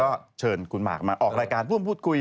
ก็เชิญคุณหมากมาออกรายการร่วมพูดคุย